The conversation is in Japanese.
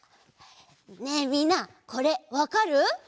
ねえみんなこれわかる？